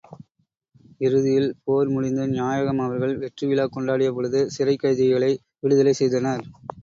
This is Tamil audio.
இறுதியில் போர் முடிந்து, நாயகம் அவர்கள் வெற்றி விழாக் கொண்டாடிய பொழுது சிறைக் கைதிகளை விடுதலை செய்தனர்.